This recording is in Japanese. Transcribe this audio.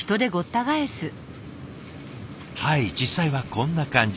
はい実際はこんな感じ。